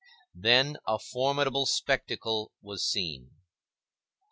Then a formidable spectacle was seen.